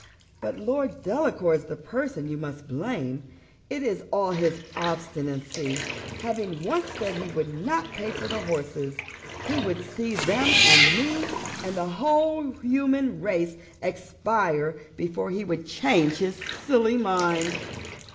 But Lord Delacour's the person you must blame it is all his obstinacy: having once said he would not pay for the horses, he would see them and me and the whole human race expire before he would change his silly mind.